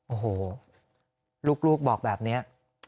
โอ้โหลูกบอกแบบนี้